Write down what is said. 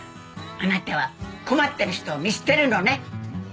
あなたは困ってる人を見捨てるのね！